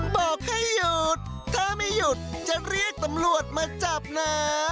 บอกให้หยุดถ้าไม่หยุดจะเรียกตำรวจมาจับนะ